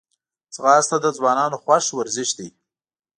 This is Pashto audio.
ځغاسته د ځوانانو خوښ ورزش دی